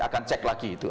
akan cek lagi itu